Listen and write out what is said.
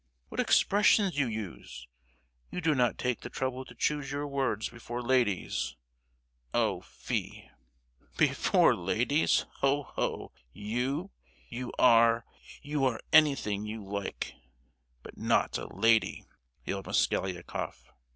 What expressions you use! You do not take the trouble to choose your words before ladies—oh, fie!" "Before ladies? Ho ho! You—you are—you are anything you like—but not a lady!" yelled Mosgliakoff.